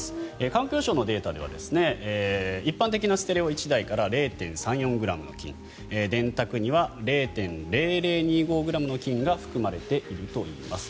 環境省のデータでは一般的なステレオ１台から０．３４ｇの金電卓には０．００２５ｇの金が含まれているといいます。